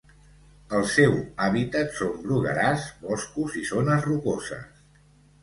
El seu hàbitat són bruguerars, boscos i zones rocoses.